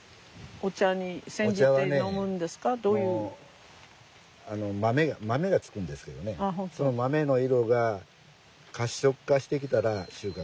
お茶はねあの豆がつくんですけどねその豆の色が褐色化してきたら収穫するんですわ。